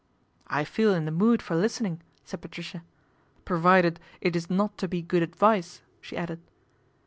" I feel in the mood for listening," said Patricia, " provided it is not to be good advice," she added.